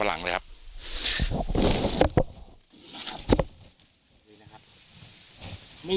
แม่น้องชมพู่